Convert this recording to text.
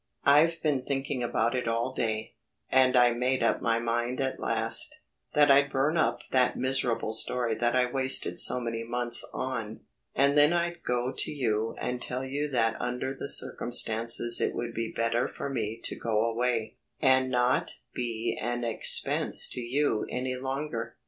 I've been thinking about it all day, and I made up my mind at last, that I'd burn up that miserable story that I wasted so many months on, and then I'd go to you and tell you that under the circumstances it would be better for me to go away, and not be an expense to you any longer.